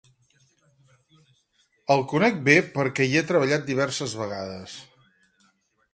El conec bé perquè hi he treballat diverses vegades.